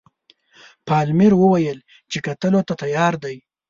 پالمر وویل چې کتلو ته تیار دی.